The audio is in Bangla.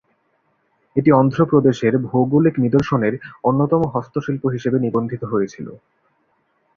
এটি অন্ধ্রপ্রদেশের ভৌগোলিক নিদর্শনের অন্যতম হস্তশিল্প হিসাবে নিবন্ধিত হয়েছিল।